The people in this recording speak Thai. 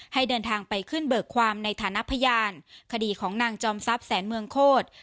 ให้เดินทางไปขึ้นเบิกความในฐานะพยานคดีของนางจอมทรัพย์แสนเมืองโคตร